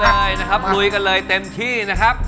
ได้นะครับลุยกันเลยเต็มที่นะครับ